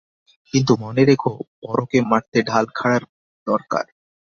কিন্তু মনে রেখো, পরকে মারতে ঢাল খাঁড়ার দরকার।